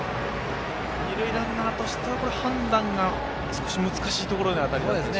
二塁ランナーとしては判断が少し難しいとこではありましたかね。